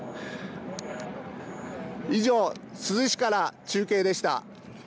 以上、珠洲市から中継でした。